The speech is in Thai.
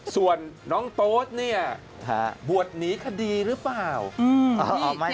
ส่วนน้องโต๊สเนี่ยบวชหนีคดีหรือเปล่า